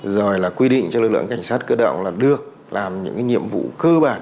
rồi là quy định cho lực lượng cảnh sát cơ động là được làm những nhiệm vụ cơ bản